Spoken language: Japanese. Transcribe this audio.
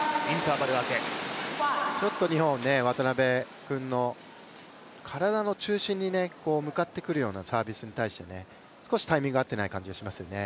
日本、渡辺君の体の中心に向かってくるようなサービスに対してちょっとタイミング合っていないような感じしましたよね。